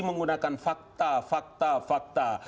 menggunakan fakta fakta fakta